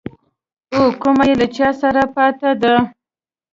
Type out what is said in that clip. او کومه يې له چا سره پاته ده.